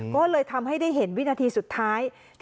ก็เลยทำให้ได้เห็นวินาทีสุดท้าย